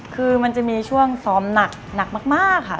คือมันจะมีช่วงซ้อมหนักมากค่ะ